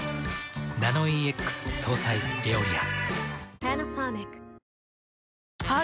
ナノイーＸ搭載「エオリア」。